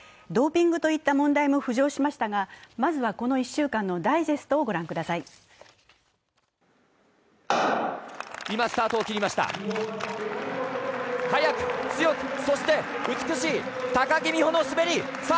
ドーピングといった問題も浮上しましたがまずはこの１週間のダイジェストを御覧ください。